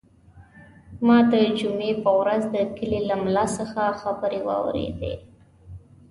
ما د جمعې په ورځ د کلي له ملا څخه دا خبرې واورېدې.